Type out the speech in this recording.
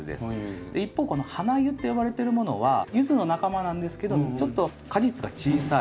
一方このハナユって呼ばれてるものはユズの仲間なんですけどちょっと果実が小さい。